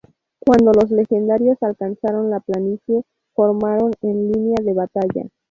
Cuando los legionarios alcanzaron la planicie formaron en línea de batalla.